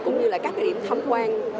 cũng như là các điểm thăm quan